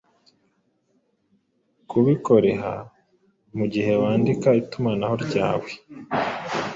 kubikoreha mugihe wandika itumanaho ryawe